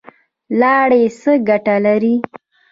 لاړې څه ګټه لري؟